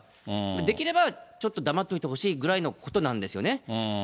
できれば、ちょっと黙っていてほしいというぐらいのことなんですよね。